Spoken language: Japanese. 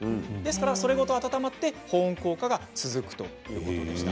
それが温まって保温効果が続くということでした。